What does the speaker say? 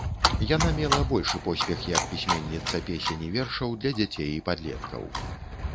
Яна мела большы поспех як пісьменніца песень і вершаў для дзяцей і падлеткаў.